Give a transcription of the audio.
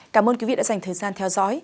cảm ơn quý vị đã dành thời gian theo dõi